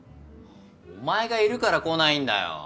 お前がいるから来ないんだよ！